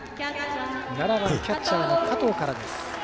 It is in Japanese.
７番キャッチャー、加藤からです。